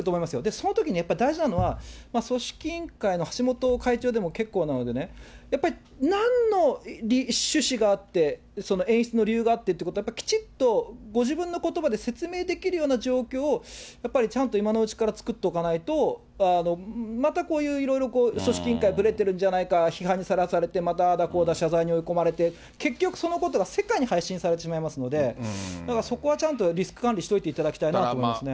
そのときにやっぱり大事なのは、組織委員会の橋本会長でも結構なのでね、やっぱりなんの趣旨があって、演出の理由があってっていうことを、やっぱりきちっと、ご自分のことばで説明できるような状況を、やっぱりちゃんと今のうちから作っておかないと、またこういういろいろ、組織委員会ぶれてるんじゃないか、批判にさらされて、またああだこうだ、謝罪に追い込まれて、結局そのことが世界に配信されてしまいますので、だからそこはちゃんとリスク管理しておいてほしいなと思いますね。